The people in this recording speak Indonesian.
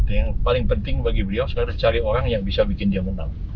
yang paling penting bagi beliau saya harus cari orang yang bisa bikin dia menang